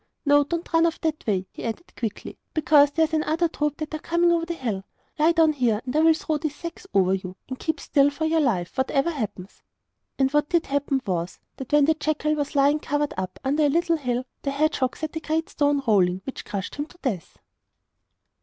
No; don't run off that way,' he added quickly, 'because there is another troop that are coming over the hill. Lie down here, and I will throw these sacks over you; and keep still for your life, whatever happens.' And what did happen was, that when the jackal was lying covered up, under a little hill, the hedgehog set a great stone rolling, which crushed him to death.